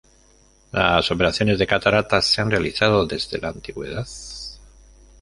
Las operaciones de cataratas se han realizado desde la Antigüedad.